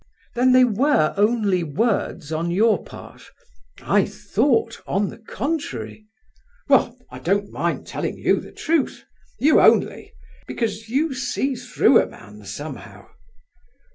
"Then they were only words on your part? I thought, on the contrary..." "Well, I don't mind telling you the truth—you only! Because you see through a man somehow.